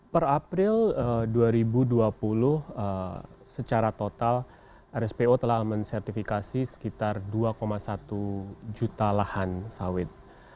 per april dua ribu dua puluh secara total rspo telah mensertifikasi sekitar dua satu juta lahan sawit